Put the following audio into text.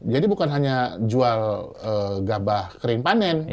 bukan hanya jual gabah kering panen